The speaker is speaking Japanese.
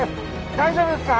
大丈夫ですか！